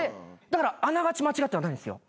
だからあながち間違ってはないんですよ。